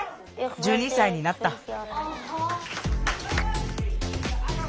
１２歳になった。